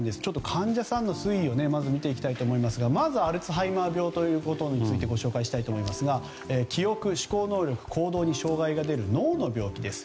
患者さんの推移を見ていきたいと思いますがまずアルツハイマー病ということについてご紹介したいと思いますが記憶・思考能力・行動に障害が出る脳の病気です。